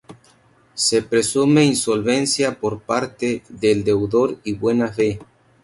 Se presume insolvencia por parte del deudor y buena fe.